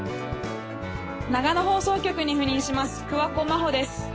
長野放送局に赴任します